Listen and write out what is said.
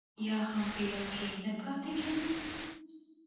يا هم په ياد کې نه پاتې کېدل.